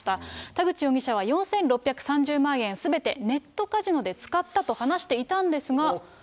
田口容疑者は４６３０万円すべてネットカジノで使ったと話していたんですが。